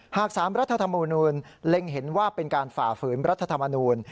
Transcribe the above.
หาก๓รัฐธรรมนูลเล็งเห็นว่าเป็นการฝ่าฝืนรัฐธรรมนูล